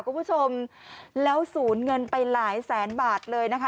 คุณผู้ชมแล้วศูนย์เงินไปหลายแสนบาทเลยนะคะ